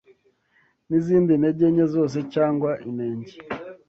n’izindi ntege nke zose cyangwa inenge